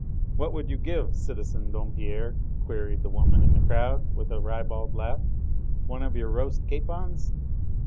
"What would you give, citizen Dompierre?" queried a woman in the crowd, with a ribald laugh, "one of your roast capons?"